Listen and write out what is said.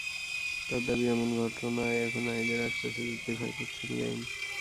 তাঁর দাবি এমন ঘটনায় এখন নারীদের আশপাশে যেতেই ভয় পাচ্ছেন গেইন।